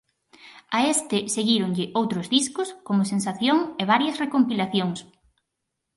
A este seguíronlle outros discos como "Sensación" e varias recompilacións.